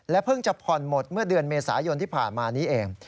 เพิ่งจะผ่อนหมดเมื่อเดือนเมษายนที่ผ่านมานี้เอง